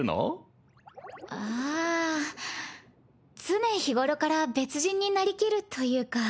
常日頃から別人になりきるというか。